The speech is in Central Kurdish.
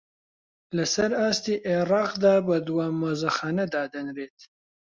لەسەر ئاستی عێراقدا بە دووەم مۆزەخانە دادەنرێت